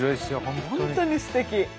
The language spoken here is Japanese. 本当にすてき。